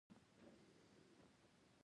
د افغانۍ ارزښت رالوېدل زموږ په زیان تمامیږي.